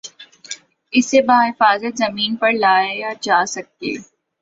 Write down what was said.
اسے بحفاظت زمین پر لایا جاسکے